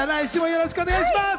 よろしくお願いします！